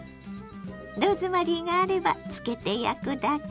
ローズマリーがあれば漬けて焼くだけ。